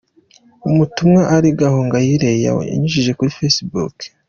Ubutumwa Aline Gahongayire yanyujije kuri Facebook.